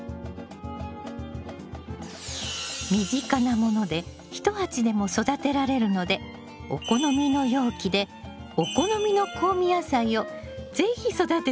身近なもので１鉢でも育てられるのでお好みの容器でお好みの香味野菜を是非育ててみてね。